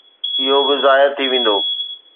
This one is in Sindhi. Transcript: اهو به ضايع ٿي ويندو.